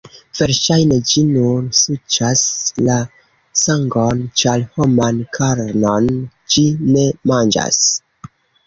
Verŝajne ĝi nur suĉas la sangon, ĉar homan karnon ĝi ne manĝas.